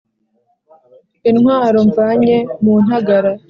intwaro mvanye mu ntagara